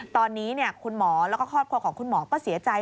ตอนนี้คุณหมอแล้วก็ครอบครัวของคุณหมอก็เสียใจ